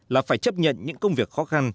là phải chấp nhận những công việc khó khăn